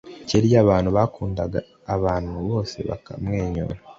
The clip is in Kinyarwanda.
kera iyo abantu bakundana abantu bose bakamwenyura